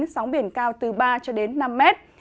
sóng biển cao từ ba cho đến năm mét